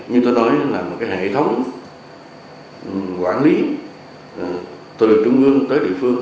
nhưng tôi nói là một hệ thống quản lý từ trung ương tới địa phương